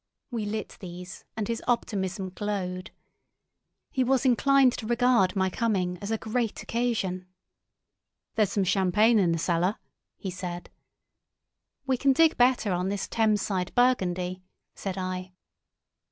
We lit these, and his optimism glowed. He was inclined to regard my coming as a great occasion. "There's some champagne in the cellar," he said. "We can dig better on this Thames side burgundy," said I.